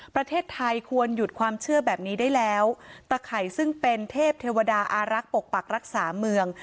ประเทศไทยควรหยุดความเชื่อแบบนี้ได้แล้วตะไข่ซึ่งเป็นเทพเทวดาอารักษ์ปกปักรักษาเมือง